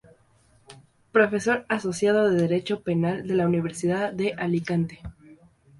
Profesor asociado de Derecho Penal de la Universidad de Alicante.